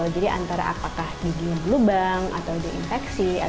jadi antara apakah gigi yang lubang atau dikuburkan